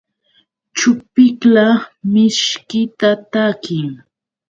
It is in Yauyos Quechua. Chupiqla mishkita takin.